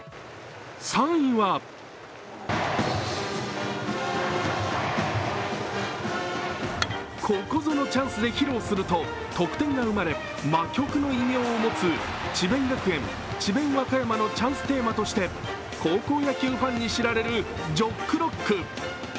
３位はここぞのチャンスで披露すると得点が生まれ魔曲の異名を持つ智弁学園、智弁和歌山のチャンステーマとして高校野球ファンに知られる「ジョックロック」。